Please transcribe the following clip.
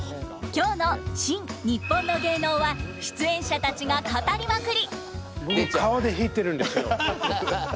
今日の「新・にっぽんの芸能」は出演者たちが語りまくり！